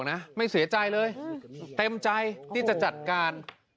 ไม่เสียใจเลยเต็มใจที่จะจัดการ